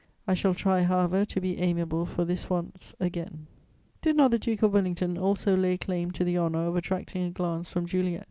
I shall try, however, to be amiable for this once again." Did not the Duke of Wellington also lay claim to the honour of attracting a glance from Juliet?